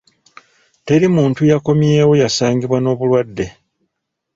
Teri muntu yakommyewo yasangibwa n'obulwadde.